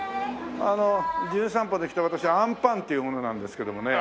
『じゅん散歩』で来た私あんパンっていう者なんですけどもね。